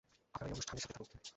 আপনারা এই অনুষ্ঠানের সাথেই থাকুন।